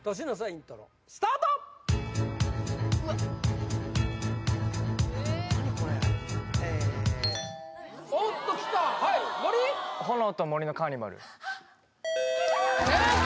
イントロスタートおっときた森「炎と森のカーニバル」正解！